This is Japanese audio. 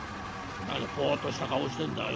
何ぽっとした顔してんだよ。